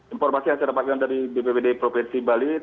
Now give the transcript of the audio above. informasi yang saya dapatkan dari bppd provinsi bali